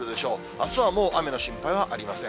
あすはもう雨の心配はありません。